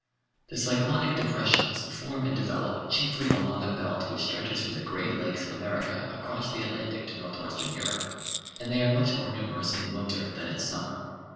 The cyclonic depressions form and develop chiefly along a belt which stretches from the great lakes of America across the Atlantic to north western Europe, and they are much more numerous in winter than in summer.